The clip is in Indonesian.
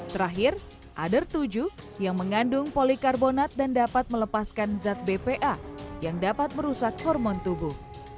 terakhir ada tujuh yang mengandung polikarbonat dan dapat melepaskan zat bpa yang dapat merusak hormon tubuh